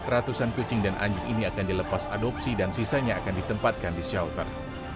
ratusan kucing dan anjing ini akan dilepas adopsi dan sisanya akan ditempatkan di shelter